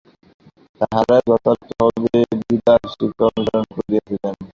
তাঁহারাই যথার্থভাবে গীতার শিক্ষা অনুসরণ করিয়াছেন।